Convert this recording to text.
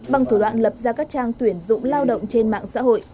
bằng thủ đoạn lập ra các trang tuyển dụng lao động trên mạng xã hội